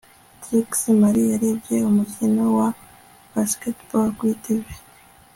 Trix na Mary barebye umukino wa basketball kuri TV